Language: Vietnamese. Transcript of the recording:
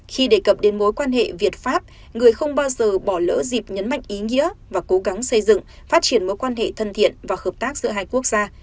khi đề cập đến mối quan hệ việt pháp người không bao giờ bỏ lỡ dịp nhấn mạnh ý nghĩa và cố gắng xây dựng phát triển mối quan hệ thân thiện và hợp tác giữa hai quốc gia